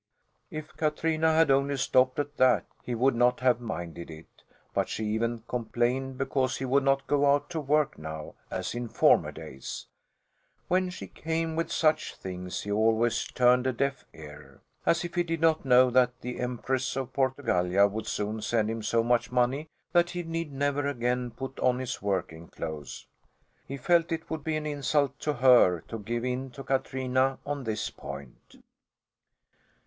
If Katrina had only stopped at that he would not have minded it, but she even complained because he would not go out to work now, as in former days. When she came with such things he always turned a deaf ear. As if he did not know that the Empress of Portugallia would soon send him so much money that he need never again put on his working clothes! He felt it would be an insult to her to give in to Katrina on this point.